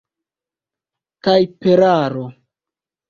tajperaro